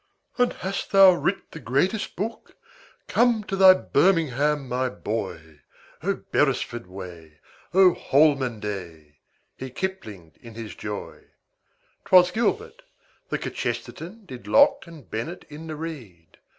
"And hast thou writ the greatest book? Come to thy birmingham, my boy! Oh, beresford way! Oh, holman day!" He kiplinged in his joy. 'Twas gilbert. The kchesterton Did locke and bennett in the reed.